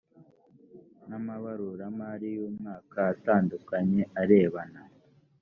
n amabaruramari y umwaka atandukanye arebana